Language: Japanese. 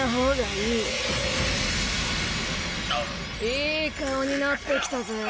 いい顔になってきたぜ。